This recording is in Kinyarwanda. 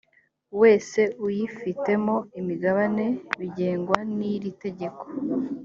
wese uyifitemo imigabane bigengwa n iri tegeko